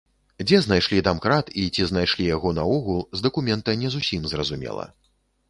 Дзе знайшлі дамкрат і ці знайшлі яго наогул, з дакумента не зусім зразумела.